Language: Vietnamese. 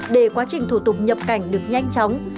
để quá trình thủ tục nhập cảnh được nhanh chóng